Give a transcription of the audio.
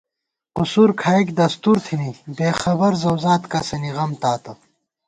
قُسُر کھائیک دستُور تھنی بېخبر زَؤزاد کسَنی غم تاتہ